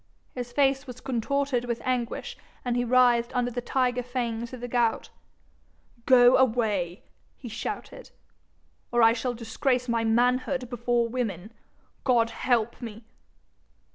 His face was contorted with anguish, and he writhed under the tiger fangs of the gout. 'Go away,' he shouted, 'or I shall disgrace my manhood before women, God help me!'